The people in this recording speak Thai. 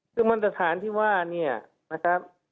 คือมาตรฐานที่ว่านี่นะครับ